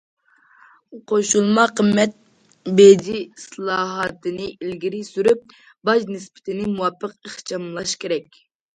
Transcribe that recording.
قوشۇلما قىممەت بېجى ئىسلاھاتىنى ئىلگىرى سۈرۈپ، باج نىسبىتىنى مۇۋاپىق ئىخچاملاش كېرەك.